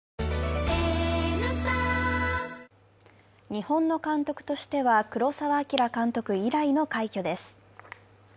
日本の監督としては黒澤明監督以来の快挙です。